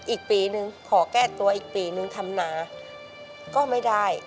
อีกปีนึงขอแก้ตัวอีกปีนึงทำนาก็ไม่ได้